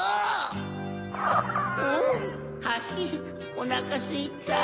ハヒおなかすいた。